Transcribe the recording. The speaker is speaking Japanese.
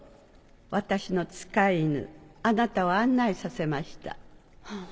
私の使い犬あなたを案内させました。